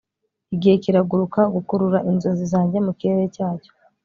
igihe kiraguruka, gukurura inzozi zanjye mukirenge cyacyo